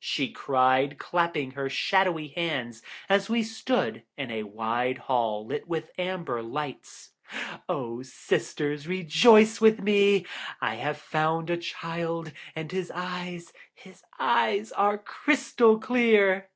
she cried, clapping her shadowy hands as we stood in a wide hall lit with amber light. "O sisters, rejoice with me! I have found a child, and his eyes, his eyes are crystal clear."